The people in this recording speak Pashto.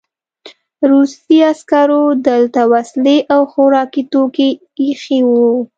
روسي عسکرو دلته وسلې او خوراکي توکي ایښي وو